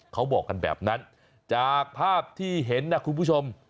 เขาบอกกันแบบนั้นจากภาพที่เห็นนะคุณผู้ชม